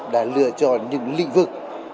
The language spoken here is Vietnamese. đã lựa chọn những lĩnh vực